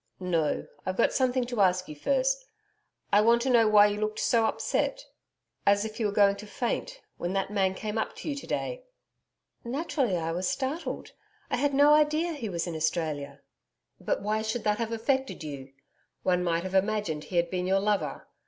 'No. I've got something to ask you first. I want to know why you looked so upset as if you were going to faint when that man came up to you to day?' 'Naturally, I was startled. I had no idea he was in Australia.' 'But why should that have affected you. One might have imagined he had been your lover.